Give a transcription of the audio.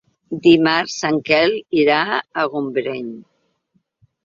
Dimarts en Quel irà a Gombrèn.